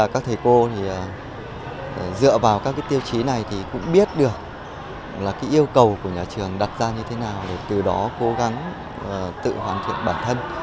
các thầy cô thì dựa vào các tiêu chí này thì cũng biết được là yêu cầu của nhà trường đặt ra như thế nào để từ đó cố gắng tự hoàn thiện bản thân